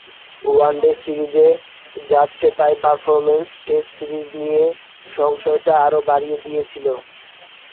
One day সিরিজে যাচ্ছেতাই performance test series নিয়ে সংশয়টা আরও বাড়িয়ে দিয়েছিল।